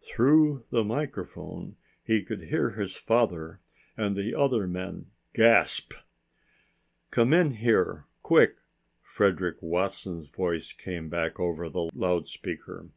Through the microphone he could hear his father and the other men gasp. "Come in here quick," Frederick Watson's voice came back over the loudspeaker.